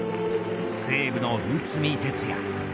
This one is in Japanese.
西武の内海哲也